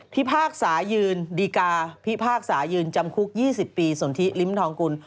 พิพากษายืนดีการพิพากษายืนจำคลุก๒๐ปีศนลิมทรคุณ